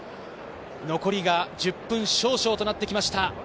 残りが１０分少々となってきました。